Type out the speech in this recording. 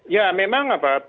ya memang apa